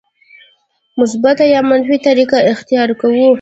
مثبته یا منفي طریقه اختیار کوو.